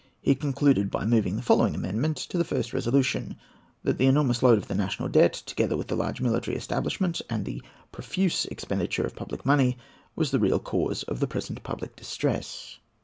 He concluded by moving the following amendment to the first resolution:—"That the enormous load of the national debt, together with the large military establishment and the profuse expenditure of public money, was the real cause of the present public distress."